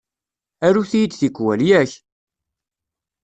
Arut-iyi-d tikwal, yak?